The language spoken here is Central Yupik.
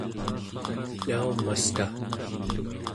naumasta